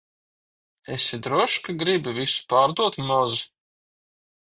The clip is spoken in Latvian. Esi drošs, ka gribi visu pārdot, Moz?